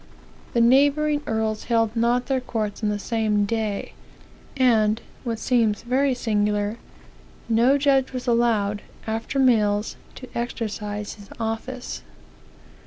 The neighboring earls held not their courts on the same day; and, what seems very singular, no judge was allowed, after meals, to exercise his office.